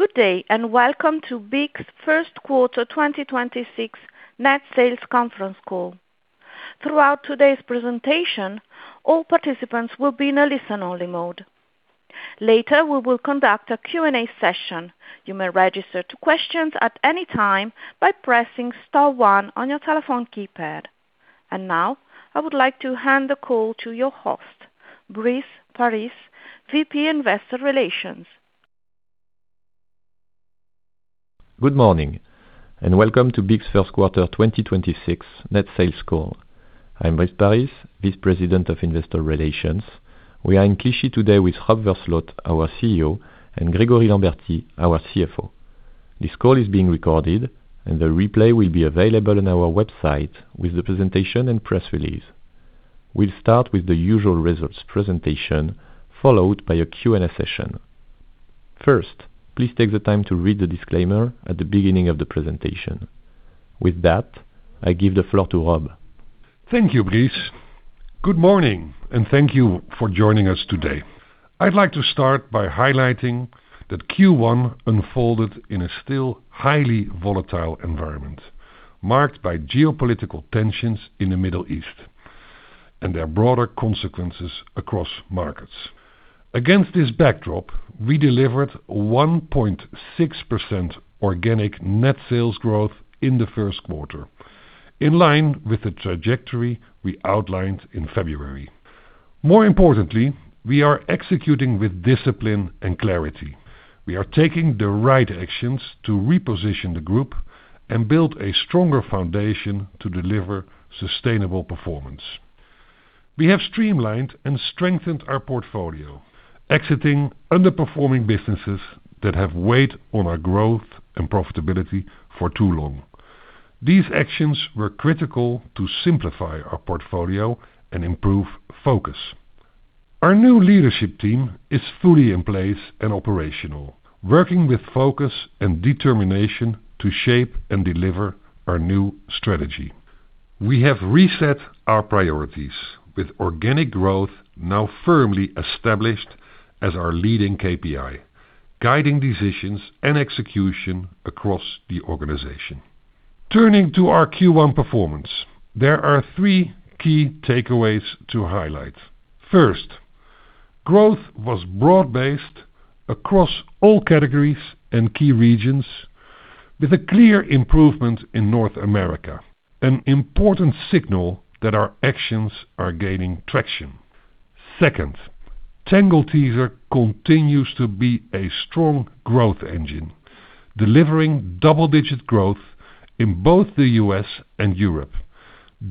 Good day and welcome to BIC's first quarter 2026 net sales conference call. Throughout today's presentation, all participants will be in a listen-only mode. Later, we will conduct a Q&A session. You may register to questions at any time by pressing star one on your telephone keypad. Now, I would like to hand the call to your host, Brice Paris, VP Investor Relations. Good morning. Welcome to BIC's first quarter 2026 net sales call. I'm Brice Paris, Vice President of Investor Relations. We are in Clichy today with Rob Versloot, our CEO, and Grégory Lambertie, our CFO. This call is being recorded, and the replay will be available on our website with the presentation and press release. We'll start with the usual results presentation, followed by a Q&A session. First, please take the time to read the disclaimer at the beginning of the presentation. With that, I give the floor to Rob. Thank you, Brice. Good morning, thank you for joining us today. I'd like to start by highlighting that Q1 unfolded in a still highly volatile environment, marked by geopolitical tensions in the Middle East and their broader consequences across markets. Against this backdrop, we delivered 1.6% organic net sales growth in the first quarter, in line with the trajectory we outlined in February. More importantly, we are executing with discipline and clarity. We are taking the right actions to reposition the group and build a stronger foundation to deliver sustainable performance. We have streamlined and strengthened our portfolio, exiting underperforming businesses that have weighed on our growth and profitability for too long. These actions were critical to simplify our portfolio and improve focus. Our new leadership team is fully in place and operational, working with focus and determination to shape and deliver our new strategy. We have reset our priorities with organic growth now firmly established as our leading KPI, guiding decisions and execution across the organization. Turning to our Q1 performance, there are three key takeaways to highlight. First, growth was broad-based across all categories and key regions with a clear improvement in North America, an important signal that our actions are gaining traction. Second, Tangle Teezer continues to be a strong growth engine, delivering double-digit growth in both the U.S. and Europe,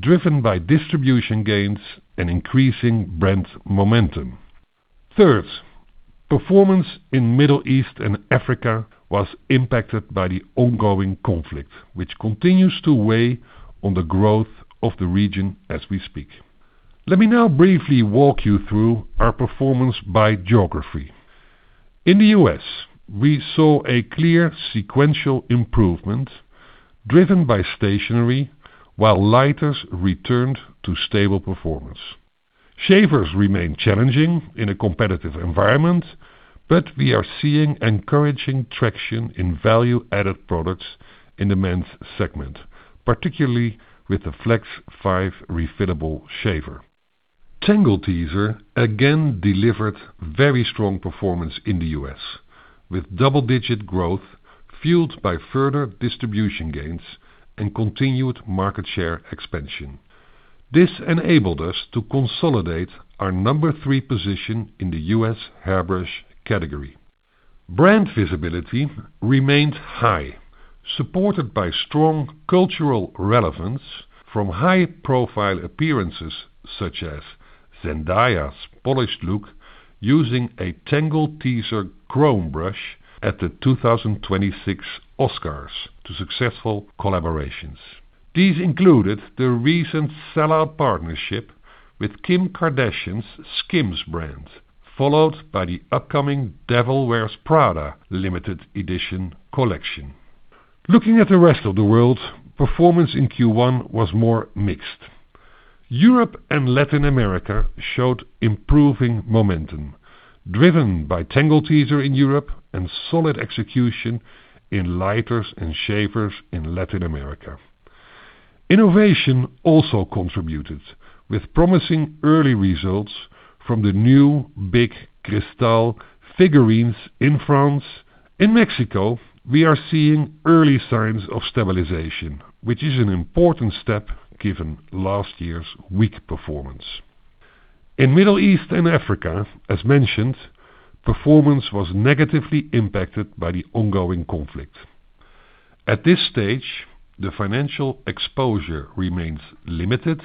driven by distribution gains and increasing brand momentum. Third, performance in Middle East and Africa was impacted by the ongoing conflict, which continues to weigh on the growth of the region as we speak. Let me now briefly walk you through our performance by geography. In the U.S., we saw a clear sequential improvement driven by stationery while lighters returned to stable performance. Shavers remain challenging in a competitive environment, but we are seeing encouraging traction in value-added products in the men's segment, particularly with the Flex 5 refillable shaver. Tangle Teezer again delivered very strong performance in the U.S. with double-digit growth fueled by further distribution gains and continued market share expansion. This enabled us to consolidate our number three position in the U.S. hairbrush category. Brand visibility remained high, supported by strong cultural relevance from high-profile appearances, such as Zendaya's polished look using a Tangle Teezer Chrome brush at the 2026 Oscars to successful collaborations. These included the recent sell-out partnership with Kim Kardashian's Skims brand, followed by the upcoming The Devil Wears Prada limited edition collection. Looking at the rest of the world, performance in Q1 was more mixed. Europe and Latin America showed improving momentum, driven by Tangle Teezer in Europe and solid execution in lighters and shavers in Latin America. Innovation also contributed with promising early results from the new BIC Cristal Figurines in France. In Mexico, we are seeing early signs of stabilization, which is an important step given last year's weak performance. In Middle East and Africa, as mentioned, performance was negatively impacted by the ongoing conflict. At this stage, the financial exposure remains limited,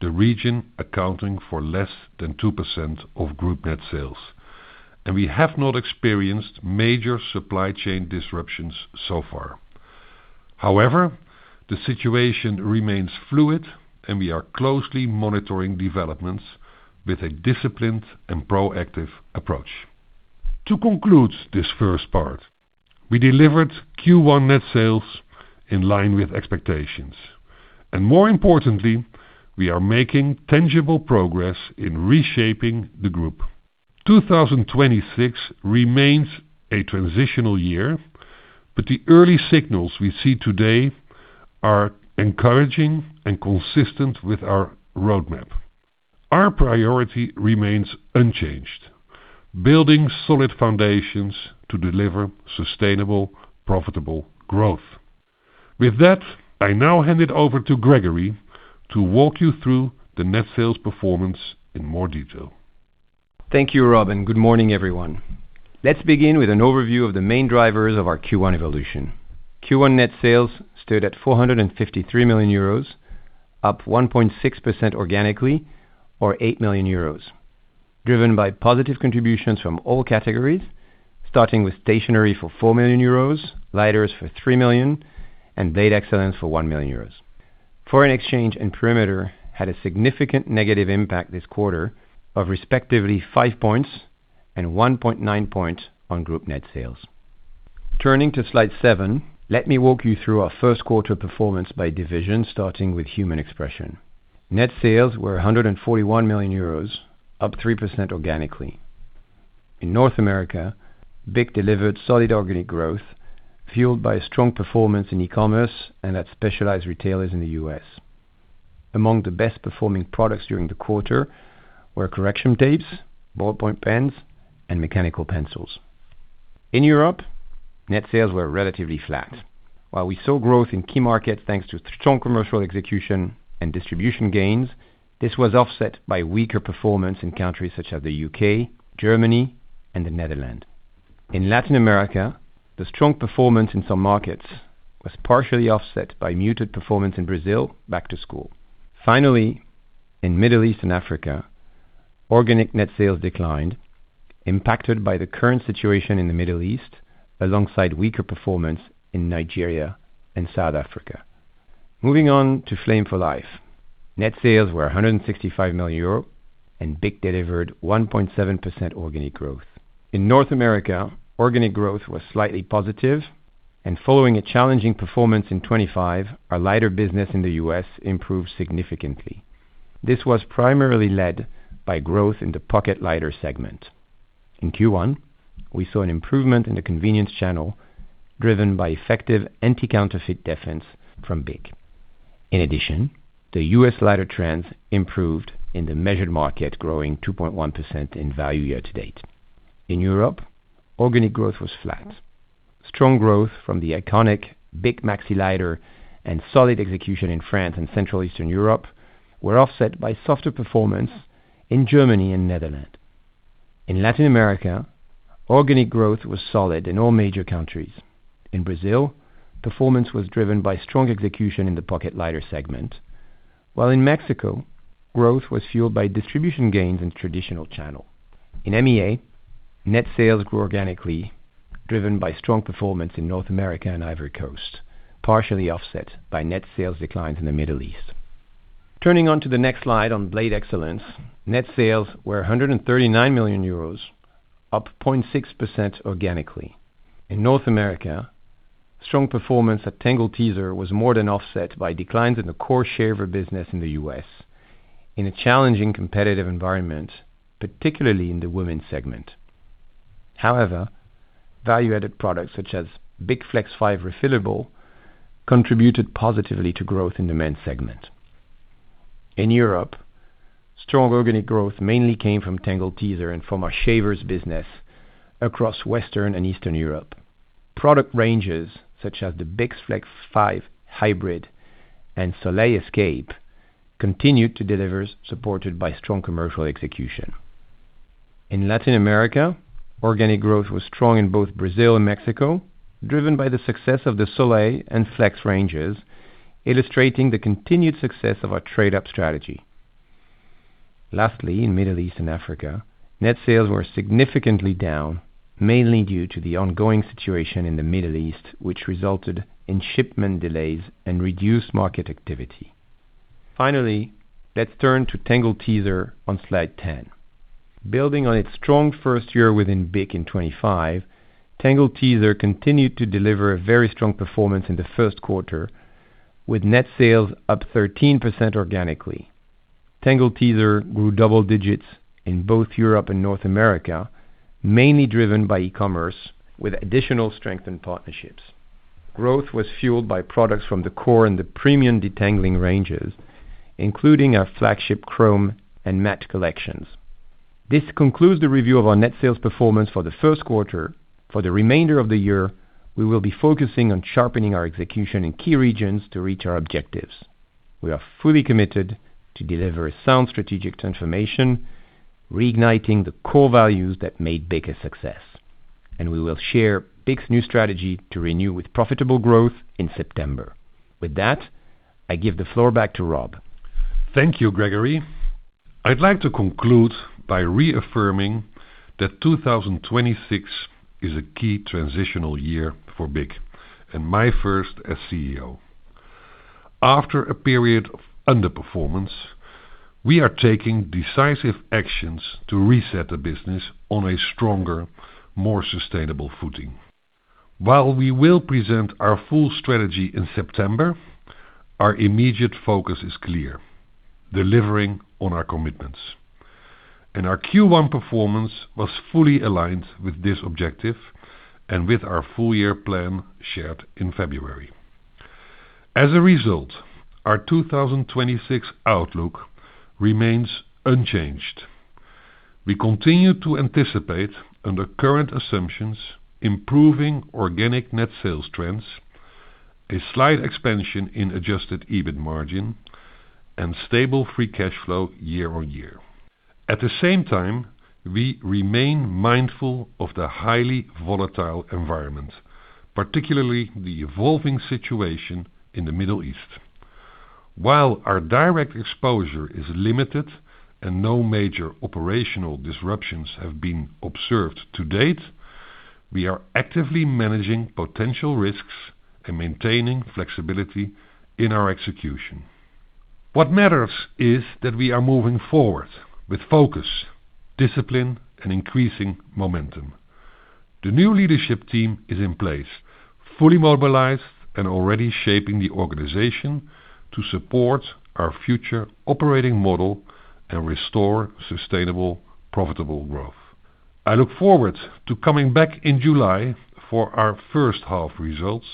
the region accounting for less than 2% of group net sales, and we have not experienced major supply chain disruptions so far. The situation remains fluid, and we are closely monitoring developments with a disciplined and proactive approach. To conclude this first part, we delivered Q1 net sales in line with expectations. More importantly, we are making tangible progress in reshaping the group. 2026 remains a transitional year, but the early signals we see today are encouraging and consistent with our roadmap. Our priority remains unchanged: building solid foundations to deliver sustainable, profitable growth. With that, I now hand it over to Grégory to walk you through the net sales performance in more detail. Thank you, Rob. Good morning, everyone. Let's begin with an overview of the main drivers of our Q1 evolution. Q1 net sales stood at 453 million euros, up 1.6% organically or 8 million euros, driven by positive contributions from all categories, starting with stationery for 4 million euros, lighters for 3 million, and Blade Excellence for 1 million euros. Foreign exchange and perimeter had a significant negative impact this quarter of respectively 5 points and 1.9 points on group net sales. Turning to slide seven, let me walk you through our first quarter performance by division, starting with Human Expression. Net sales were 141 million euros, up 3% organically. In North America, BIC delivered solid organic growth fueled by strong performance in e-commerce and at specialized retailers in the U.S. Among the best performing products during the quarter were correction tapes, ballpoint pens, and mechanical pencils. In Europe, net sales were relatively flat. While we saw growth in key markets, thanks to strong commercial execution and distribution gains, this was offset by weaker performance in countries such as the U.K., Germany, and the Netherlands. In Latin America, the strong performance in some markets was partially offset by muted performance in Brazil back to school. Finally, in Middle East and Africa, organic net sales declined, impacted by the current situation in the Middle East alongside weaker performance in Nigeria and South Africa. Moving on to Flame for Life. Net sales were 165 million euro, and BIC delivered 1.7% organic growth. In North America, organic growth was slightly positive and following a challenging performance in 2025, our lighter business in the U.S. improved significantly. This was primarily led by growth in the pocket lighter segment. In Q1, we saw an improvement in the convenience channel driven by effective anti-counterfeit defense from BIC. The U.S. lighter trends improved in the measured market, growing 2.1% in value year-to-date. In Europe, organic growth was flat. Strong growth from the iconic BIC Maxi Lighter and solid execution in France and Central Eastern Europe were offset by softer performance in Germany and Netherlands. In Latin America, organic growth was solid in all major countries. In Brazil, performance was driven by strong execution in the pocket lighter segment, while in Mexico, growth was fueled by distribution gains in traditional channel. In MEA, net sales grew organically, driven by strong performance in North America and Ivory Coast, partially offset by net sales declines in the Middle East. Turning on to the next slide on Blade Excellence, net sales were 139 million euros, up 0.6% organically. In North America, strong performance at Tangle Teezer was more than offset by declines in the core share of our business in the U.S. in a challenging competitive environment, particularly in the women segment. Value-added products such as BIC Flex 5 Refillable contributed positively to growth in the men segment. In Europe, strong organic growth mainly came from Tangle Teezer and from our shavers business across Western and Eastern Europe. Product ranges such as the BIC Flex 5 Hybrid and Soleil Escape continued to deliver, supported by strong commercial execution. In Latin America, organic growth was strong in both Brazil and Mexico, driven by the success of the Soleil and Flex ranges, illustrating the continued success of our trade-up strategy. Lastly, in Middle East and Africa, net sales were significantly down, mainly due to the ongoing situation in the Middle East, which resulted in shipment delays and reduced market activity. Finally, let's turn to Tangle Teezer on slide 10. Building on its strong first year within BIC in 2025, Tangle Teezer continued to deliver a very strong performance in the first quarter with net sales up 13% organically. Tangle Teezer grew double digits in both Europe and North America, mainly driven by e-commerce with additional strength in partnerships. Growth was fueled by products from the core and the premium detangling ranges, including our flagship Chrome and matte collections. This concludes the review of our net sales performance for the first quarter. For the remainder of the year, we will be focusing on sharpening our execution in key regions to reach our objectives. We are fully committed to deliver a sound strategic transformation, reigniting the core values that made BIC a success. We will share BIC's new strategy to renew with profitable growth in September. With that, I give the floor back to Rob. Thank you, Grégory. I'd like to conclude by reaffirming that 2026 is a key transitional year for BIC and my first as CEO. After a period of underperformance. We are taking decisive actions to reset the business on a stronger, more sustainable footing. While we will present our full strategy in September, our immediate focus is clear: delivering on our commitments. Our Q1 performance was fully aligned with this objective and with our full year plan shared in February. As a result, our 2026 outlook remains unchanged. We continue to anticipate, under current assumptions, improving organic net sales trends, a slight expansion in Adjusted EBIT Margin, and stable free cash flow year-over-year. At the same time, we remain mindful of the highly volatile environment, particularly the evolving situation in the Middle East. While our direct exposure is limited and no major operational disruptions have been observed to date, we are actively managing potential risks and maintaining flexibility in our execution. What matters is that we are moving forward with focus, discipline, and increasing momentum. The new leadership team is in place, fully mobilized and already shaping the organization to support our future operating model and restore sustainable, profitable growth. I look forward to coming back in July for our first half results,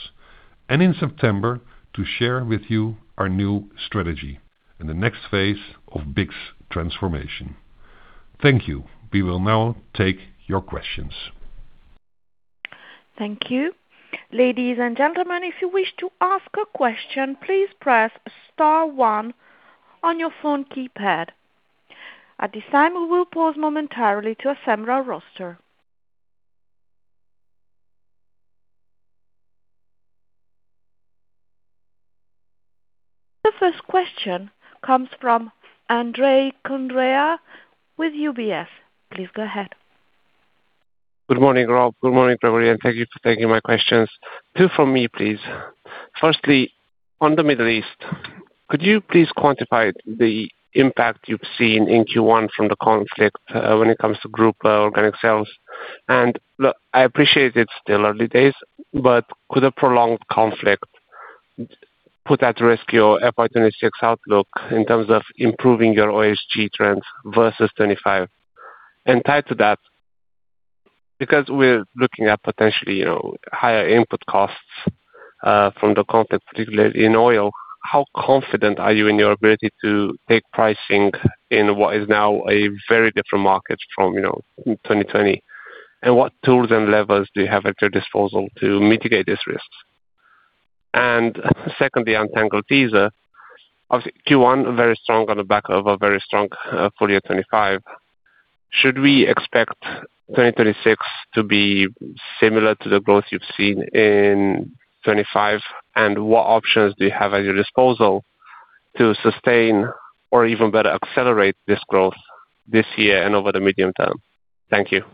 and in September to share with you our new strategy and the next phase of BIC's transformation. Thank you. We will now take your questions. Thank you. Ladies and gentlemen, if you wish to ask a question, please press star one on your phone keypad. At this time, we will pause momentarily to assemble our roster. The first question comes from Andrei Condrea with UBS. Please go ahead. Good morning, Rob. Good morning, Grégory, and thank you for taking my questions. Two from me, please. Firstly, on the Middle East, could you please quantify the impact you've seen in Q1 from the conflict when it comes to group organic sales? Look, I appreciate it's still early days, but could a prolonged conflict put at risk your FY 2026 outlook in terms of improving your OSG trends versus 2025? Tied to that, because we're looking at potentially, you know, higher input costs from the conflict, particularly in oil, how confident are you in your ability to take pricing in what is now a very different market from, you know, 2020? What tools and levers do you have at your disposal to mitigate these risks? Secondly, on Tangle Teezer. Obviously, Q1, very strong on the back of a very strong full year 2025. Should we expect 2026 to be similar to the growth you've seen in 2025? What options do you have at your disposal to sustain or even better accelerate this growth this year and over the medium term? Thank you.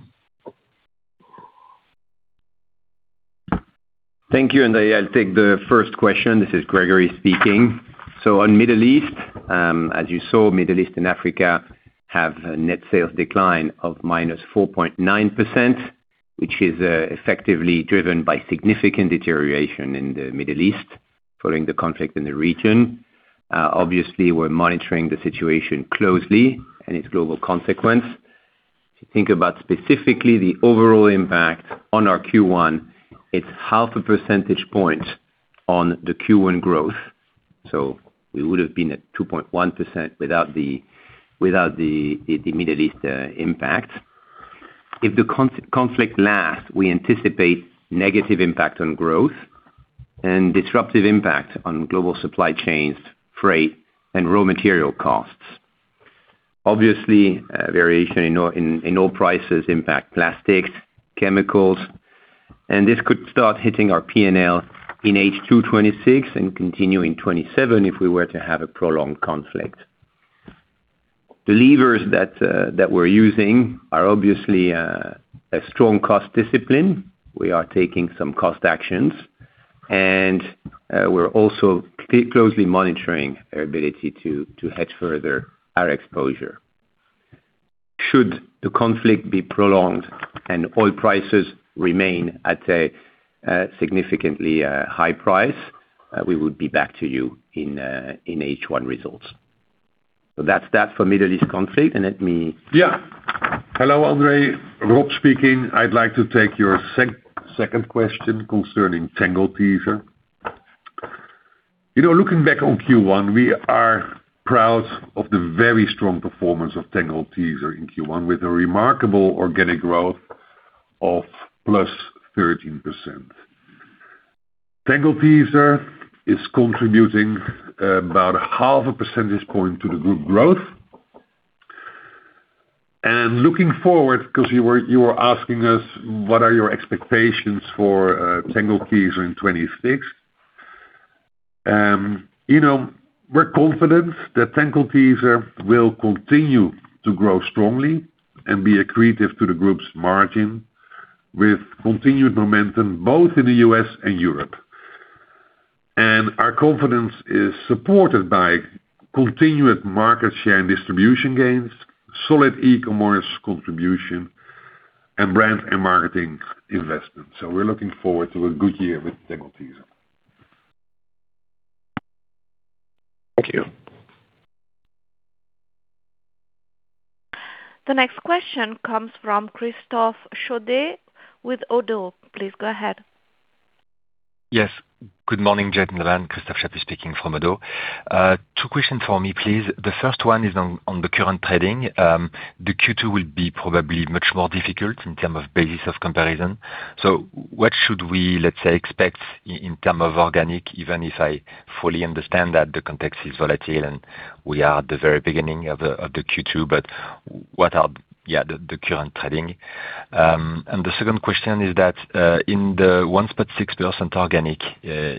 Thank you. I'll take the first question. This is Grégory speaking. On Middle East, as you saw, Middle East and Africa have a net sales decline of -4.9%, which is effectively driven by significant deterioration in the Middle East following the conflict in the region. Obviously, we're monitoring the situation closely and its global consequence. If you think about specifically the overall impact on our Q1, it's half a percentage point on the Q1 growth. We would have been at 2.1% without the Middle East impact. If the conflict lasts, we anticipate negative impact on growth and disruptive impact on global supply chains, freight, and raw material costs. Obviously, variation in oil prices impact plastics, chemicals, and this could start hitting our P&L in H2 2026 and continue in 2027 if we were to have a prolonged conflict. The levers that we're using are obviously a strong cost discipline. We are taking some cost actions, and we're also closely monitoring our ability to hedge further our exposure. Should the conflict be prolonged and oil prices remain at a significantly high price, we would be back to you in H1 results. That's that for Middle East conflict. Yeah. Hello, Andre. Rob speaking. I'd like to take your second question concerning Tangle Teezer. You know, looking back on Q1, we are proud of the very strong performance of Tangle Teezer in Q1, with a remarkable organic growth of +13%. Tangle Teezer is contributing about half a percentage point to the group growth. Looking forward, 'cause you were asking us what are your expectations for Tangle Teezer in 2026. You know, we're confident that Tangle Teezer will continue to grow strongly and be accretive to the group's margin with continued momentum both in the U.S. and Europe. Our confidence is supported by continuous market share and distribution gains, solid e-commerce contribution, and brand and marketing investments. We're looking forward to a good year with Tangle Teezer. Thank you. The next question comes from Christophe [Chaput] with Oddo. Please go ahead. Yes. Good morning. [inaudible] Christophe speaking from Oddo. Two question for me, please. The first one is on the current trading. The Q2 will be probably much more difficult in term of basis of comparison. What should we, let's say, expect in term of organic, even if I fully understand that the context is volatile and we are at the very beginning of the Q2, but what are the current trading? The second question is that, in the 1.6% organic,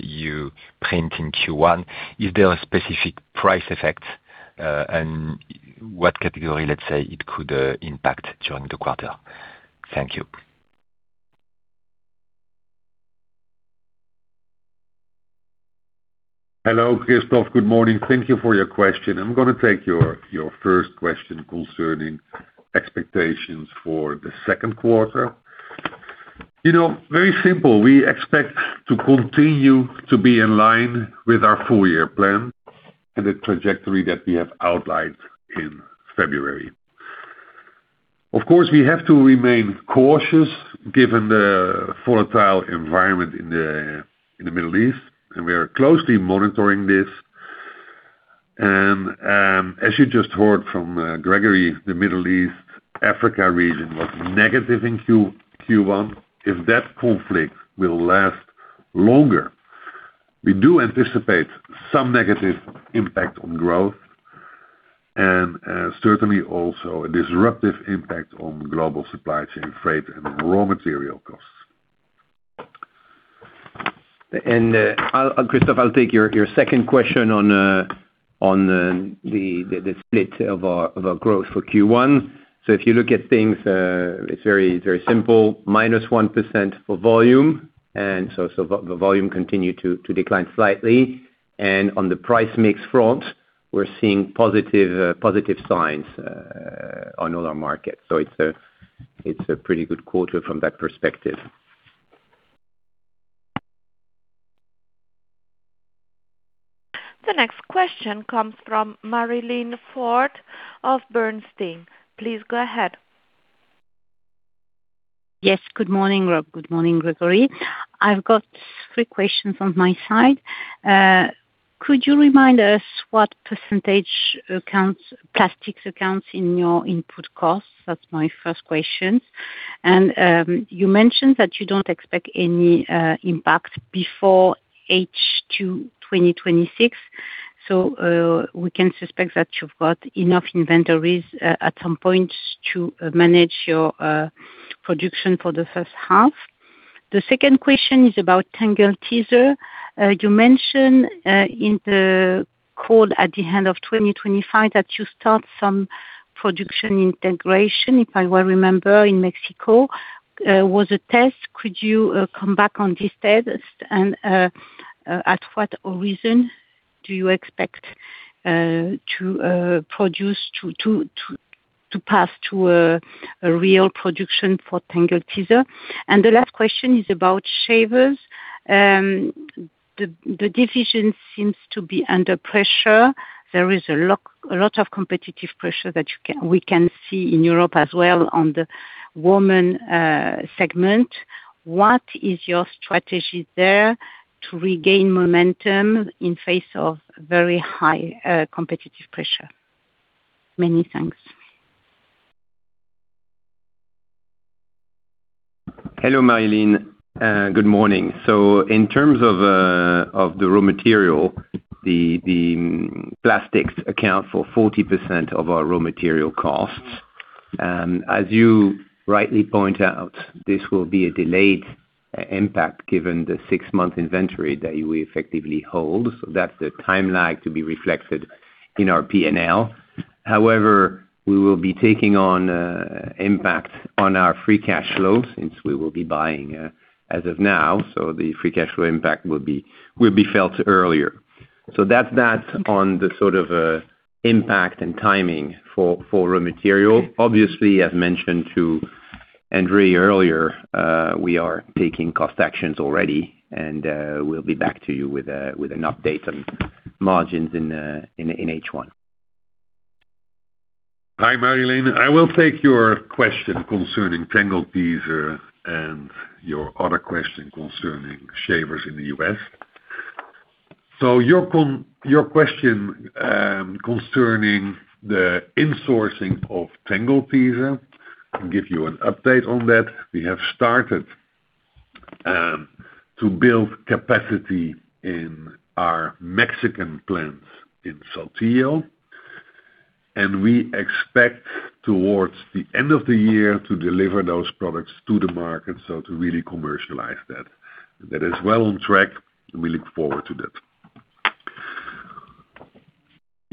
you print in Q1, is there a specific price effect? What category, let's say, it could impact during the quarter? Thank you. Hello, Christophe. Good morning. Thank you for your question. I'm gonna take your first question concerning expectations for the second quarter. You know, very simple. We expect to continue to be in line with our full year plan and the trajectory that we have outlined in February. Of course, we have to remain cautious given the volatile environment in the Middle East, and we are closely monitoring this. As you just heard from Grégory, the Middle East, Africa region was negative in Q1. If that conflict will last longer, we do anticipate some negative impact on growth and certainly also a disruptive impact on global supply chain freight and raw material costs. Christophe, I'll take your second question on the split of our, of our growth for Q1. If you look at things, it's very, very simple, -1% for volume, and so volume continued to decline slightly. On the price mix front, we're seeing positive signs on all our markets. It's a, it's a pretty good quarter from that perspective. The next question comes from Marie-Line Fort of Bernstein. Please go ahead. Yes. Good morning, Rob. Good morning, Grégory. I've got three questions on my side. Could you remind us what percentage plastics accounts in your input costs? That's my first question. You mentioned that you don't expect any impact before H2 2026. We can suspect that you've got enough inventories at some point to manage your production for the first half. The second question is about Tangle Teezer. You mentioned in the call at the end of 2025 that you start some production integration, if I well remember, in Mexico. Was a test, could you come back on this test and at what horizon do you expect to pass to a real production for Tangle Teezer? The last question is about shavers. The division seems to be under pressure. There is a lot of competitive pressure that we can see in Europe as well on the women segment. What is your strategy there to regain momentum in face of very high competitive pressure? Many thanks. Hello, Marie-Line. Good morning. In terms of the raw material, the plastics account for 40% of our raw material costs. As you rightly point out, this will be a delayed impact given the six month inventory that we effectively hold. That's the timeline to be reflected in our P&L. However, we will be taking on impact on our free cash flow since we will be buying as of now, the free cash flow impact will be felt earlier. That's that on the sort of impact and timing for raw material. Obviously, as mentioned to Andrei Condrea earlier, we are taking cost actions already, we'll be back to you with an update on margins in H1. Hi, Marie-Line. I will take your question concerning Tangle Teezer and your other question concerning shavers in the U.S. Your question concerning the insourcing of Tangle Teezer, I'll give you an update on that. We have started to build capacity in our Mexican plants in Saltillo, and we expect towards the end of the year to deliver those products to the market, so to really commercialize that. That is well on track, and we look forward to that.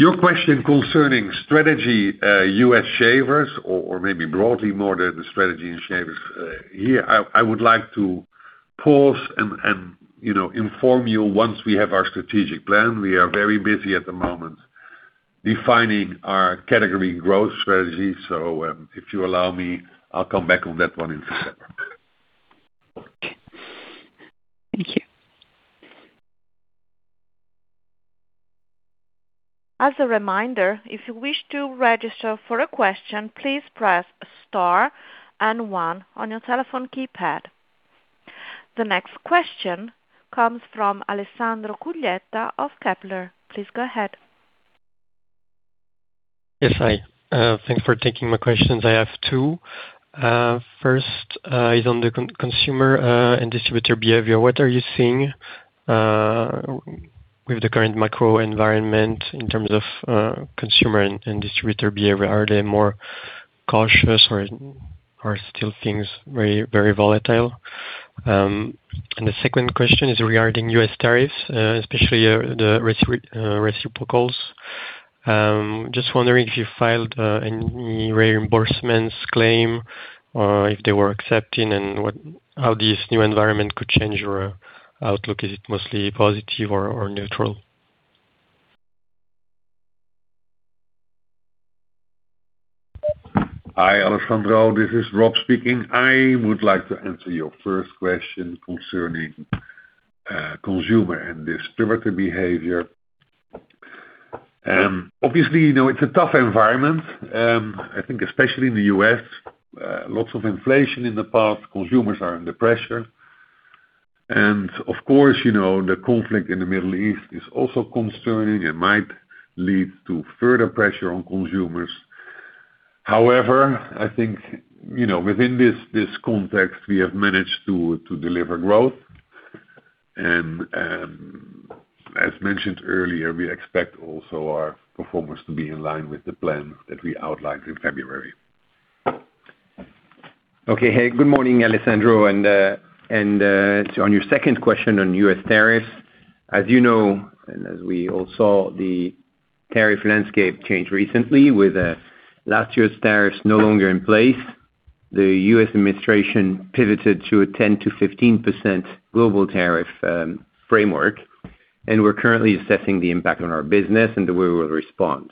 Your question concerning strategy, U.S. shavers or maybe broadly more than the strategy in shavers. Here I would like to pause and, you know, inform you once we have our strategic plan. We are very busy at the moment defining our category growth strategy. If you allow me, I'll come back on that one in December. Thank you. As a reminder, if you wish to register for a question, please press star and one on your telephone keypad. The next question comes from Alessandro Cuglietta of Kepler. Please go ahead. Yes, hi. Thanks for taking my questions. I have two. First is on the consumer and distributor behavior. What are you seeing with the current macro environment in terms of consumer and distributor behavior? Are they more cautious or are still things very volatile? The second question is regarding U.S. tariffs, especially the reciprocals. Just wondering if you filed any reimbursements claim or if they were accepting and how this new environment could change your outlook. Is it mostly positive or neutral? Hi, Alessandro, this is Rob speaking. I would like to answer your first question concerning consumer and distributor behavior. Obviously, you know, it's a tough environment. I think especially in the U.S., lots of inflation in the past, consumers are under pressure. Of course, you know, the conflict in the Middle East is also concerning. It might lead to further pressure on consumers. However, I think, you know, within this context, we have managed to deliver growth. As mentioned earlier, we expect also our performance to be in line with the plan that we outlined in February. Good morning, Alessandro. On your second question on U.S. tariffs, as you know, and as we all saw, the tariff landscape changed recently with last year's tariffs no longer in place. The U.S. administration pivoted to a 10%-15% global tariff framework, and we are currently assessing the impact on our business and the way we will respond.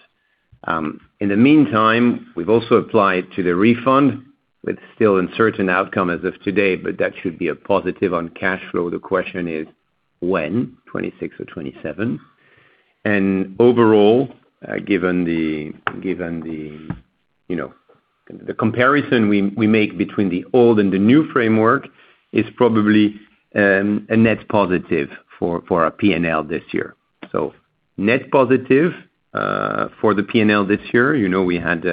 In the meantime, we have also applied to the refund with still uncertain outcome as of today, but that should be a positive on cash flow. The question is when, 2026 or 2027. Overall, given the, you know, the comparison we make between the old and the new framework is probably a net positive for our P&L this year. Net positive for the P&L this year. You know, we had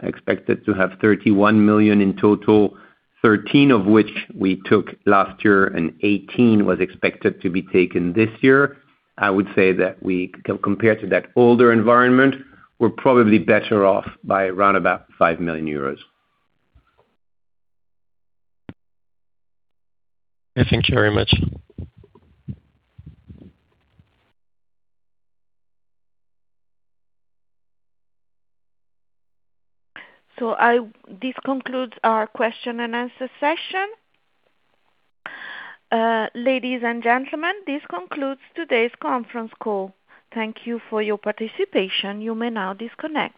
expected to have 31 million in total, 13 of which we took last year and 18 was expected to be taken this year. I would say that we compared to that older environment, we're probably better off by around about 5 million euros. Thank you very much. This concludes our question-and-answer session. Ladies and gentlemen, this concludes today's conference call. Thank you for your participation. You may now disconnect.